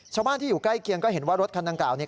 ชาวบ้านที่อยู่ใกล้เคียงก็เห็นว่ารถคันดังกล่าวเนี่ย